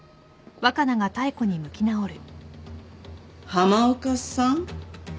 浜岡さん。